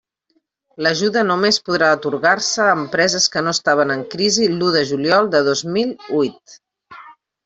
L'ajuda només podrà atorgar-se a empreses que no estaven en crisi l'u de juliol de dos mil huit.